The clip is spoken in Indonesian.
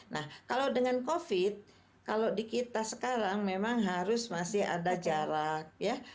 nah kalau dengan covid kalau di kita sekarang memang harus masih ada jarak ya